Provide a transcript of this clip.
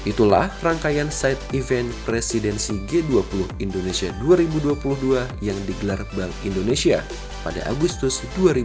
itulah rangkaian site event presidensi g dua puluh indonesia dua ribu dua puluh dua yang digelar bank indonesia pada agustus dua ribu dua puluh